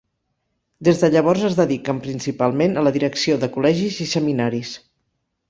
Des de llavors es dediquen principalment a la direcció de col·legis i seminaris.